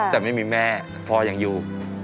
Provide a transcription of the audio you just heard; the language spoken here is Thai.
แต่ไม่มีแม่พ่อยังอยู่